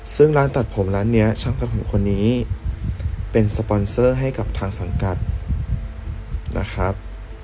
ซึ่งร้านตัดผมร้านนี้ช่างตัดผมคนนี้เป็นสปอนเซอร์ให้กับทางสังกัดนะครับ